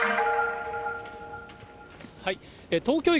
東京駅